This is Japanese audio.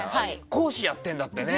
講師をやってるんだってね？